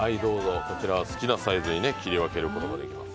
こちらは好きなサイズに切り分けることができます。